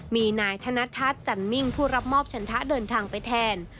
มีนายธนทัศน์จันมิ่งผู้รับมอบชันทะเดินทางไปแทน